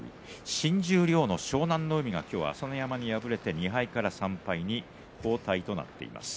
新十両の湘南乃海が今日、朝乃山に敗れて２敗から３敗に後退となっています。